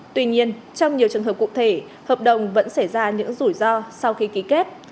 tuy nhiên trong nhiều trường hợp cụ thể hợp đồng vẫn xảy ra những rủi ro sau khi ký kết